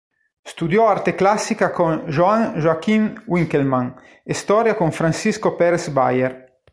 Studiò arte classica con Johann Joachim Winckelmann e storia con Francisco Pérez Bayer.